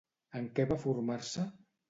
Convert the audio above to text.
En què va formar-se?